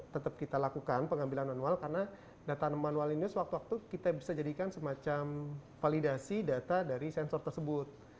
tetap kita lakukan pengambilan manual karena data manual ini sewaktu waktu kita bisa jadikan semacam validasi data dari sensor tersebut